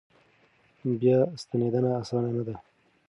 بیا ستنېدنه اسانه نه ده.